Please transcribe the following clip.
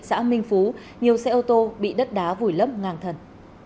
xã minh phú nhiều xe ô tô bị đất đá vùi lấp ngang thần